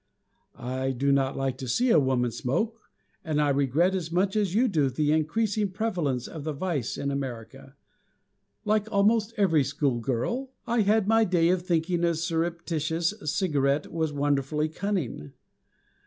I do not like to see a woman smoke, and I regret as much as you do the increasing prevalence of the vice in America. Like almost every schoolgirl, I had my day of thinking a surreptitious, cigarette was wonderfully cunning.